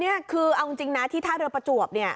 นี่คือเอาจริงที่ท่าเรือประจวบ